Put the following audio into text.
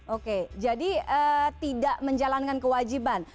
oke jadi tidak menjalankan kewajiban